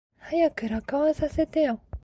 早く録音させてよ。